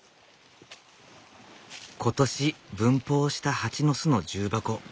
今年分蜂したハチの巣の重箱。